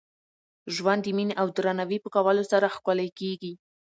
ژوند د میني او درناوي په کولو سره ښکلی کېږي.